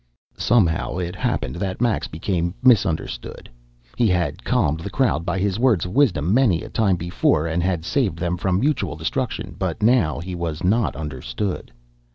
Somehow it happened that Max became misunderstood. He had calmed the crowd by his words of wisdom many a time before and had saved them from mutual destruction but now he was not understood.